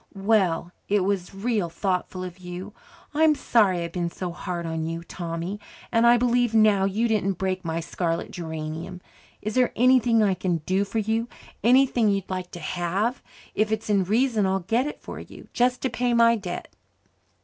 "Well, it was real thoughtful of you. I'm sorry I've been so hard on you, Tommy, and I believe now you didn't break my scarlet geranium. Is there anything I can do for you anything you'd like to have? If it's in reason I'll get it for you, just to pay my debt."